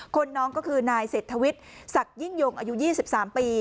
น้องก็คือนายเศรษฐวิทย์ศักดิ์ยิ่งยงอายุ๒๓ปี